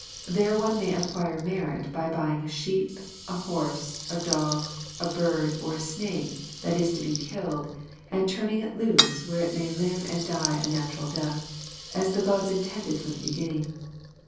There one may acquire merit by buying a sheep, a horse, a dog, a bird, or a snake that is to be killed, and turning it loose where it may live and die a natural death, as the Gods intended from the beginning.